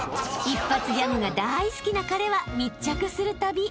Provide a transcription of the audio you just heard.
［一発ギャグが大好きな彼は密着するたび］